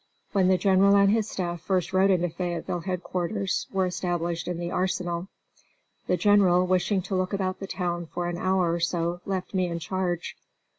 When the General and his staff first rode into Fayetteville headquarters were established in the arsenal. The General, wishing to look about the town for an hour or so, left me in charge.